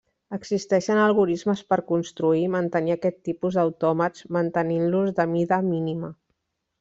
Existeixen algorismes per construir i mantenir aquest tipus d'autòmats mantenint-los de mida mínima.